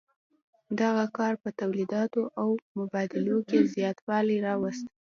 دغه کار په تولیداتو او مبادلو کې زیاتوالی راوست.